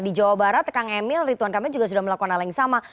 di jawa barat kang emil rituan kamil juga sudah melakukan hal yang sama